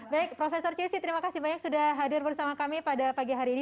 baik profesor cessy terima kasih banyak sudah hadir bersama kami pada pagi hari ini